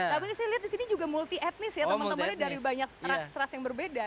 tapi ini saya lihat di sini juga multi etnis ya teman temannya dari banyak ras ras yang berbeda